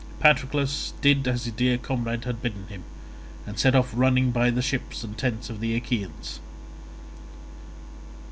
Patroclus did as his dear comrade had bidden him, and set off running by the ships and tents of the Achaeans.